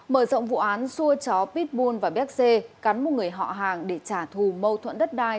mở rộng vụ án xua chó pitbull và béc xê cắn một người họ hàng để trả thù mâu thuẫn đất đai